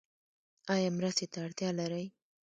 ایا مرستې ته اړتیا لرئ؟